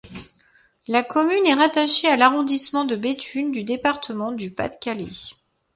La commune est rattachée à l'arrondissement de Béthune du département du Pas-de-Calais.